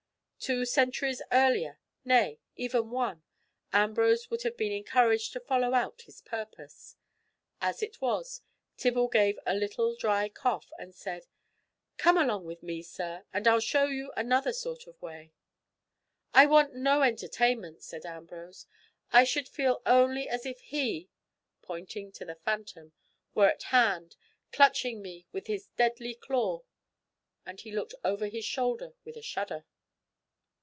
Two centuries earlier, nay, even one, Ambrose would have been encouraged to follow out his purpose. As it was, Tibble gave a little dry cough and said, "Come along with me, sir, and I'll show you another sort of way." "I want no entertainment!" said Ambrose, "I should feel only as if he," pointing to the phantom, "were at hand, clutching me with his deadly claw," and he looked over his shoulder with a shudder.